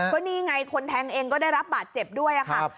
ก็นี่ไงคนแทงเองก็ได้รับบาดเจ็บด้วยค่ะ